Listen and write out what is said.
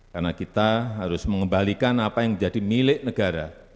karena kita harus mengembalikan apa yang jadi milik negara